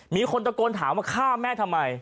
มีคนตะโกนถามว่าฆ่าแม่ทำไม